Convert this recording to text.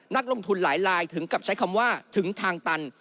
นักลงทุนหลายลายถึงกับใช้คำว่าถึงทางตัน